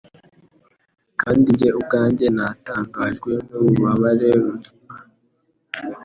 Kandi njye ubwanjye natangajwe n'ububabare mvuga